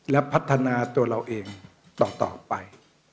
และพัฒนาตัวเราเองต่อไป